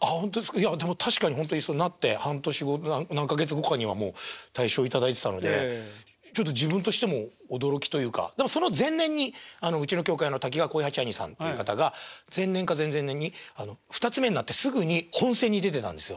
いやでも確かにほんとになって半年後何か月後かにはもう大賞頂いてたのでちょっと自分としても驚きというかでもその前年にうちの協会の瀧川鯉八あにさんっていう方が前年か前々年に二つ目になってすぐに本選に出てたんですよ。